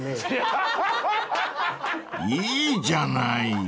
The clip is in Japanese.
［いいじゃない］